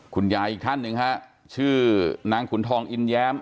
อีกท่านหนึ่งฮะชื่อนางขุนทองอินแย้ม